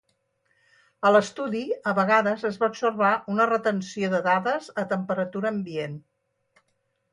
A l'estudi, a vegades es va observar una retenció de dades a temperatura ambient.